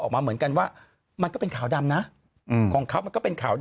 เหมือนกันว่ามันก็เป็นขาวดำนะของเขามันก็เป็นขาวดำ